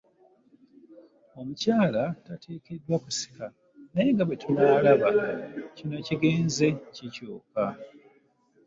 Omukyala tateekeddwa kusika naye nga bwe tunaalaba kino kigenze kikyuka.